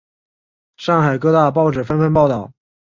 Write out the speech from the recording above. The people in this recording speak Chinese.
上海各大报纸纷纷报道。